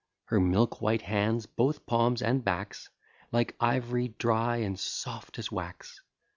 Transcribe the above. Her milk white hands, both palms and backs, Like ivory dry, and soft as wax.